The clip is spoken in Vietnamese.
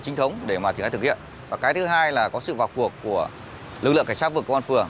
trinh thống để thực hiện cái thứ hai là có sự vào cuộc của lực lượng cảnh sát vực công an phường